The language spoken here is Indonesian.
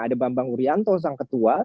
ada bambang urianto sang ketua